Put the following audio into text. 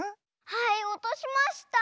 はいおとしました！